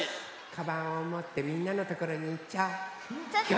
かばんをもってみんなのところにいっちゃおう。